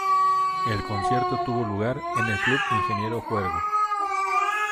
El concierto tuvo lugar en el Club Ingeniero Huergo.